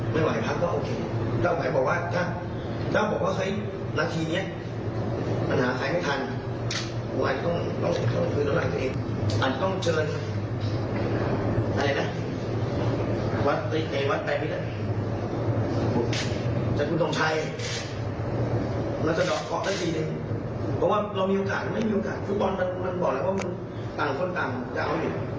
เราจะดอกเกาะได้ทีหนึ่งเพราะว่าเรามีโอกาสไม่มีโอกาสทุกปอนด์มันบอกแล้วว่าต่างคนต่าง